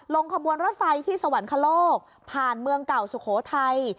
ขบวนรถไฟที่สวรรคโลกผ่านเมืองเก่าสุโขทัย